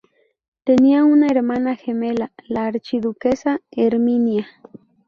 Tenía una hermana gemela, la Archiduquesa Herminia.